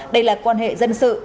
đây là quan hệ dân sự